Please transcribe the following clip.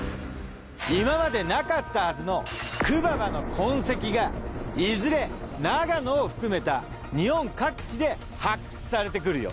今までなかったはずのクババの痕跡がいずれ長野を含めた日本各地で発掘されてくるよ。